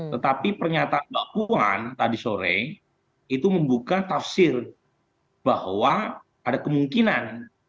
tetapi pernyataan mbak puan tadi sore itu membuka tafsir bahwa ada kemungkinan